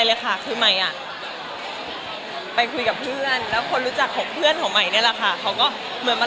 ยักษ์ไหมไม่ได้คุยอยากให้เสื้อคนไม่ได้เคียงใจ